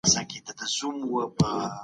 د لويي جرګې د غړو د ثبت نام مرکز چېرته دی؟